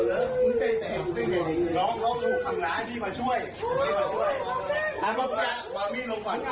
สวัสดีคุณสีน้ำ